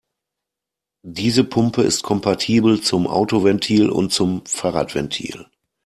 Diese Pumpe ist kompatibel zum Autoventil und zum Fahrradventil.